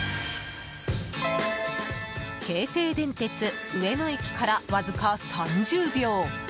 京成電鉄上野駅からわずか３０秒。